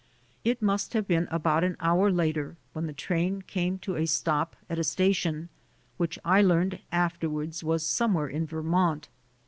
It must have been about an hour later when the train came to a stop at a station, which I learned afterward was somewhere in Vermont.